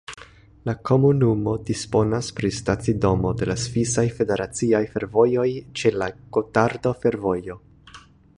La komunumo disponas pri stacidomo de la Svisaj Federaciaj Fervojoj ĉe la Gotardo-Fervojo.